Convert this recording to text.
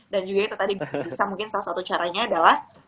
dan juga itu tadi bisa mungkin salah satu caranya adalah